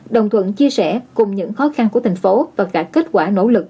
đồng thuận chia sẻ cùng những khó khăn của thành phố và cả kết quả nỗ lực